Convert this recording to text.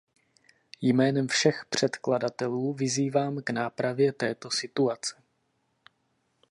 Jménem všech předkladatelů vyzývám k nápravě této situace.